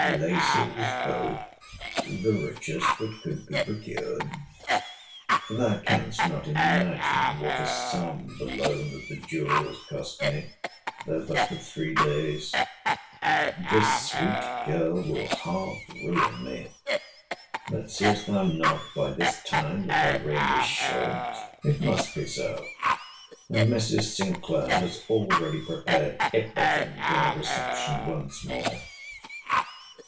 Laces both, the richest that could be procured. Thou canst not imagine what a sum the loan of the jewels cost me, though but for three days. This sweet girl will half ruin me. But seest thou not, by this time, that her reign is short!—It must be so. And Mrs. Sinclair has already prepared every thing for her reception once more.